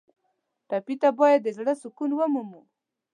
ټپي ته باید د زړه سکون ومومو.